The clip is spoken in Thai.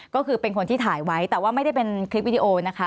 ก็คือเป็นคนที่ถ่ายไว้แต่ว่าไม่ได้เป็นคลิปวิดีโอนะคะ